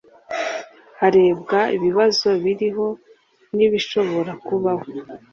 harebwa ibibazo biriho n’ibishobora kubaho